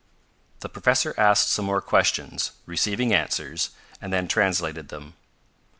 The professor asked some more questions, receiving answers, and then translated them.